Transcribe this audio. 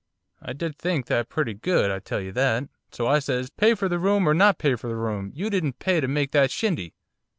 I did think that pretty good, I tell you that. So I says, "Pay for the room or not pay for the room, you didn't pay to make that shindy!"